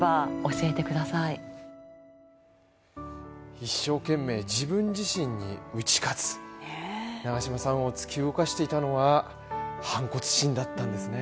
一生懸命、自分自身に打ち勝つ長嶋さんを突き動かしていたのは反骨心だったんですね。